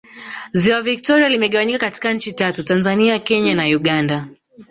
Ziwa Victoria limegawanyika katika Nchi tatu Tanzania Kenya na Uganda